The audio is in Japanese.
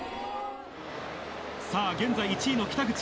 さあ、現在１位の北口。